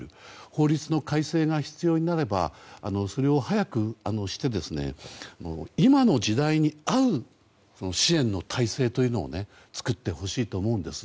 法律の改正が必要になれば、それを早くして今の時代に合う支援の体制を作ってほしいと思うんです。